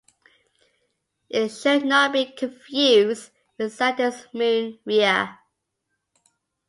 It should not be confused with Saturn's moon Rhea.